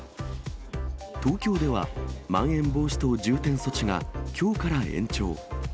東京ではまん延防止等重点措置がきょうから延長。